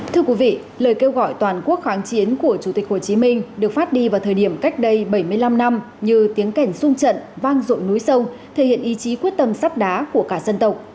thưa quý vị lời kêu gọi toàn quốc kháng chiến của chủ tịch hồ chí minh được phát đi vào thời điểm cách đây bảy mươi năm năm như tiếng cảnh xung trận vang rộn núi sông thể hiện ý chí quyết tâm sắt đá của cả dân tộc